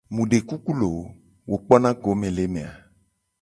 Mu de kuku loo, wo kpona go le eme a?